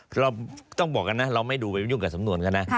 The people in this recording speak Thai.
เพราะต้องบอกกันนะเราไม่ดูไว้วิ่งดูกันกับสำนวน